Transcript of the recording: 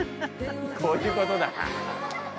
こういうことだな。